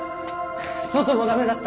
外も駄目だった。